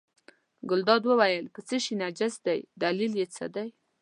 ګلداد وویل په څه شي نجس دی دلیل یې څه دی.